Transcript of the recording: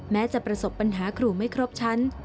แม้จะประสบปัญหาครูไม่ครบชั้น